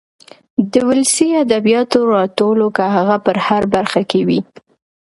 د ولسي ادبياتو راټولو که هغه په هره برخه کې وي.